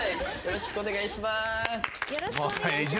よろしくお願いします。